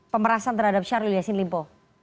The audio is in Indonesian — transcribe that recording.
pemerasan terhadap syahrul yassin limpo